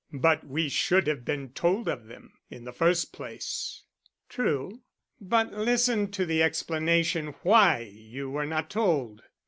"But we should have been told of them in the first place." "True. But listen to the explanation why you were not told.